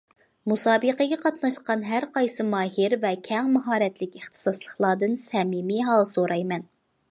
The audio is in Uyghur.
مۇسابىقىگە قاتناشقان ھەرقايسى ماھىر ۋە كەڭ ماھارەتلىك ئىختىساسلىقلاردىن سەمىمىي ھال سورايمەن!